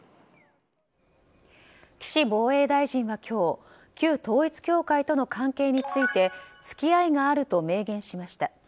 岸防衛大臣は今日旧統一教会との関係について付き合いがあると明言しました。